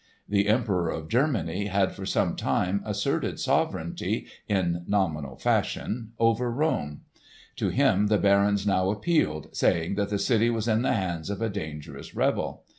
The Emperor of Germany had for some time asserted sovereignty, in nominal fashion, over Rome. To him the barons now appealed saying that the city was in the hands of a dangerous rebel.